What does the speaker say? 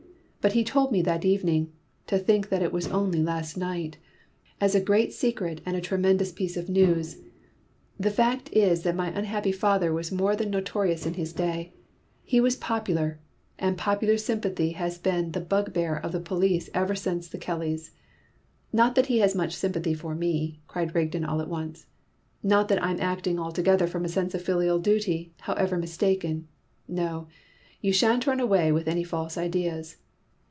But he told me that evening to think that it was only last night! as a great secret and a tremendous piece of news. The fact is that my unhappy father was more than notorious in his day; he was popular; and popular sympathy has been the bugbear of the police ever since the Kellys. Not that he has much sympathy for me!" cried Rigden all at once. "Not that I'm acting altogether from a sense of filial duty, however mistaken; no, you shan't run away with any false ideas.